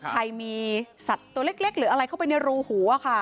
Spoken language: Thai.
ใครมีสัตว์ตัวเล็กหรืออะไรเข้าไปในรูหู